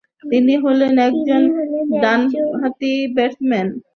তিনি হলেন একজন ডানহাতি ব্যাটসম্যান।